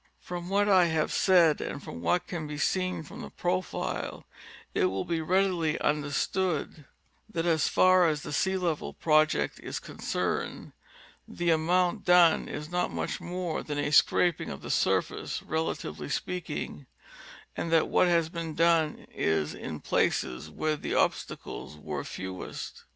From what I have said and from what can be seen from the profile, it will be readily understood that as far as the sea level project is concerned the amount done is not much more than a scraping of the surface, relatively speaking, and that what has been done is in places where the obstacles were fewest.